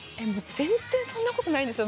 全然そんなことないんですよ。